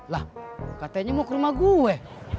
lah katanya mau ke rumah gue